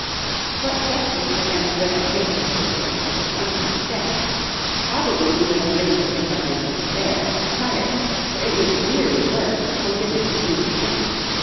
What steps Mr. Bennett would have taken at this juncture, one cannot say. Probably he would have given the thing up in despair and retired, for it is weary work forgiving a sleeping man.